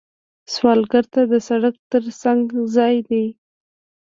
سوالګر ته د سړک تر څنګ ځای دی